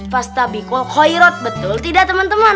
fastabikul khairut betul tidak teman teman